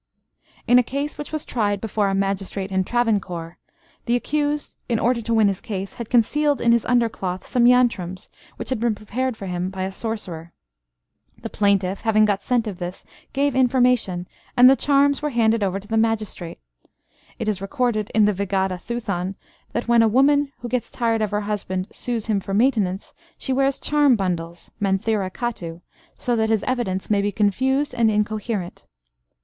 In a case which was tried before a magistrate in Travancore, the accused, in order to win his case, had concealed in his under cloth some yantrams, which had been prepared for him by a sorcerer. The plaintiff, having got scent of this, gave information, and the charms were handed over to the magistrate. It is recorded in the Vigada Thuthan that, when a woman who gets tired of her husband sues him for maintenance, she wears charm bundles (manthira kattu), so that his evidence may be confused and incoherent.